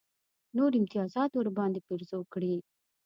نور امتیازات ورباندې پېرزو کړي.